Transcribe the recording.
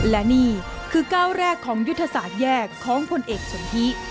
และนี่คือก้าวแรกของยุทธศาสตร์แยกของผลเอกสนทิ